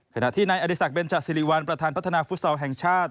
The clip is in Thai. ขณะที่นายอดีศักดิเบนจสิริวัลประธานพัฒนาฟุตซอลแห่งชาติ